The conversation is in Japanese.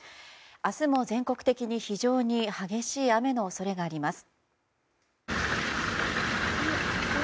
明日も全国的に非常に激しい雨の恐れがあります。